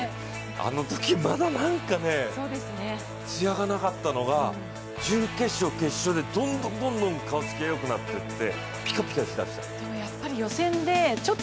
あのとき、まだなんかね、つやがなかったのが準決勝、決勝でどんどんどんどん顔つきがよくなってピカピカしてたでしょ。